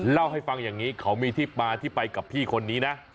เล่าให้ฟังอย่างนี้เขามีที่มาที่ไปกับพี่คนนี้นะ